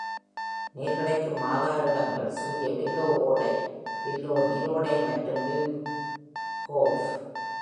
நீர் கிடைக்கும் ஆதார இடங்கள், சிறிய வில்லோ ஓடை, வில்லோ நீரோடைமற்றும் Mill Gulch.